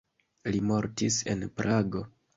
Li mortis en Prago.